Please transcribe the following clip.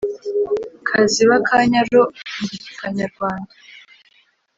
kazibe akanya ro ndi ka nyarwanda